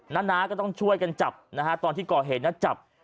หนาต้องช่วยกันจับตอนที่เกาะเหนาะจับ